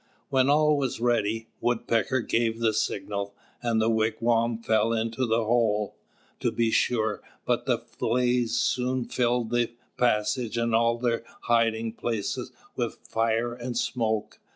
When all was ready, Woodpecker gave the signal, and the wigwam fell into the hole, to be sure; but the blaze soon filled the passage and all their hiding places with fire and smoke.